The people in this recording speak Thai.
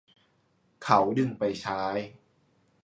เขาดึงไปใช้